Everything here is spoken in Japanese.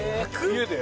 家で？